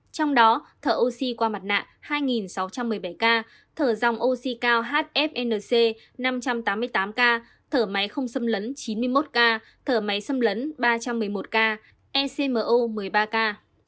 trong đó thở oxy qua mặt nạ hai sáu trăm một mươi bảy ca thở dòng oxy cao hfnc năm trăm tám mươi tám ca thở máy không xâm lấn chín mươi một ca thở máy xâm lấn ba trăm một mươi một ca ecmo một mươi ba ca